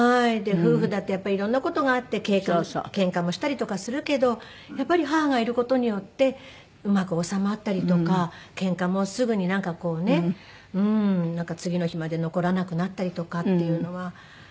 夫婦だってやっぱりいろんな事があってけんかもしたりとかするけどやっぱり母がいる事によってうまく収まったりとかけんかもすぐになんかこうねなんか次の日まで残らなくなったりとかっていうのはありがたいなって。